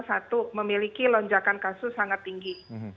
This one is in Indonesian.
satu memiliki lonjakan kasus sangat tinggi